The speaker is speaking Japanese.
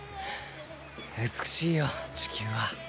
美しいよ地球は。